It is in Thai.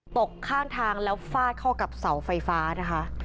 ตกข้างทางแล้วฟาดเข้ากับเสาไฟฟ้านะคะ